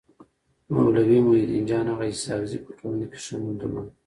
مولوي محي الدين جان اغا اسحق زي په ټولنه کي ښه نوم درلود.